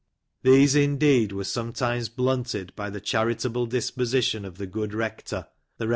These indeed were sometimes blunted by the charitable disposition of the good rector (the Ilev.